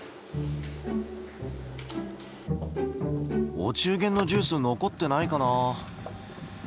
お中元のジュース残ってないかな。